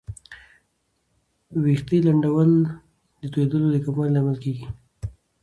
ویښتې لنډول د توېیدو د کمولو لامل نه دی.